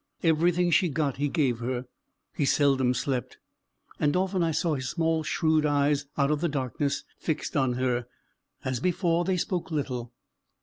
Everything she got he gave her: he seldom slept; and often I saw his small shrewd eyes out of the darkness, fixed on her. As before, they spoke little.